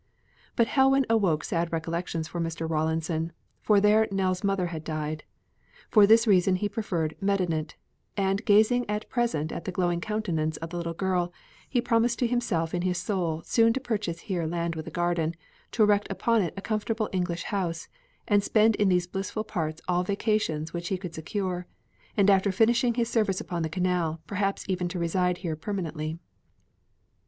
But Helwan awoke sad recollections for Mr. Rawlinson, for there Nell's mother had died. For this reason he preferred Medinet, and gazing at present at the glowing countenance of the little girl, he promised to himself in his soul soon to purchase here land with a garden; to erect upon it a comfortable English house and spend in these blissful parts all vacations which he could secure, and after finishing his service on the Canal, perhaps even to reside here permanently.